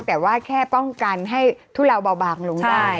แต่ว่าแค่ป้องกันให้ทุเลาเบาบางลงได้